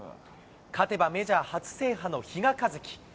勝てばメジャー初制覇の比嘉一貴。